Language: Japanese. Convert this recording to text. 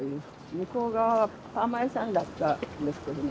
向こう側はパーマ屋さんだったんですけどね。